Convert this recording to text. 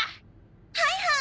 はいはい！